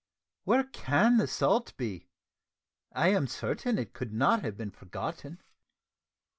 Where can the salt be? I am certain it could not have been forgotten."